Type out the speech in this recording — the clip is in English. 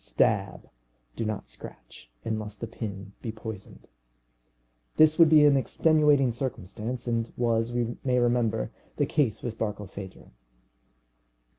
Stab, do not scratch, unless the pin be poisoned. This would be an extenuating circumstance, and was, we may remember, the case with Barkilphedro.